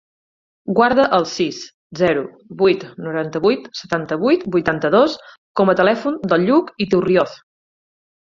Guarda el sis, zero, vuit, noranta-vuit, setanta-vuit, vuitanta-dos com a telèfon del Lluc Iturrioz.